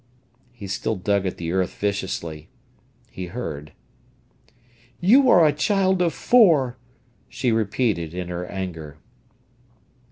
_" He still dug at the earth viciously. He heard. "You are a child of four," she repeated in her anger.